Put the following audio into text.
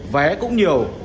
vé cũng nhiều